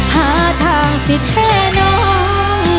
หาทางสิแท้น้อง